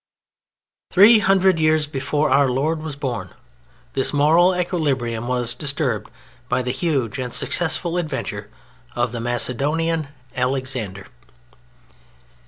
Three hundred years before Our Lord was born this moral equilibrium was disturbed by the huge and successful adventure of the Macedonian Alexander.